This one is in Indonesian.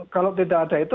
kalau tidak ada itu